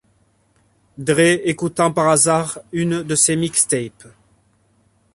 Dre écoutant par hasard une de ses mixtapes.